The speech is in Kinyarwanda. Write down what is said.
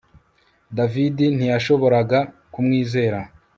David ntiyashoboraga kumwizera